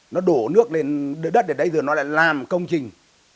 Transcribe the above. nó đổ nước lên đất ở đây rồi nó lại làm công trình